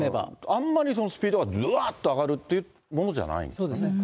あんまりスピードがどわーっと上がるっていうものではないんそうですね。